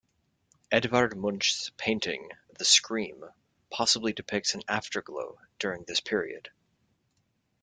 Edvard Munch's painting "The Scream" possibly depicts an afterglow during this period.